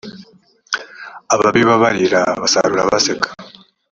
ababiba barira basarura abaseka